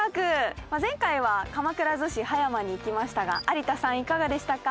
前回は鎌倉・逗子・葉山に行きましたが有田さんいかがでしたか？